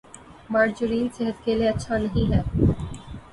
margarine صحت کے لئے اچھا نہیں ہے